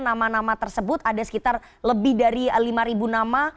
nama nama tersebut ada sekitar lebih dari lima nama